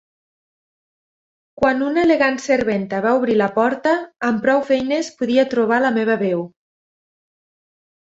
Quan una elegant serventa va obrir la porta, amb prou feines podia trobar la meva veu.